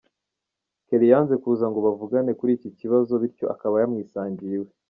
Kelly yanze kuza ngo bavugane kuri iki kibazo bityo akaba yamwisangiye iwe’.